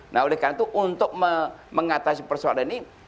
nah oleh karena itu untuk mengatasi persoalan ini